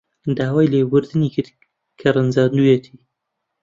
داوای لێبوردنی کرد کە ڕەنجاندوویەتی.